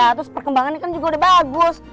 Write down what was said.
terus perkembangannya kan juga udah bagus